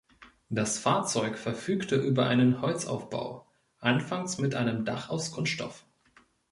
Das Fahrzeug verfügte über einen Holzaufbau, anfangs mit einem Dach aus Kunststoff.